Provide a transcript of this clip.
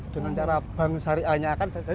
dengan cara bangsa rianya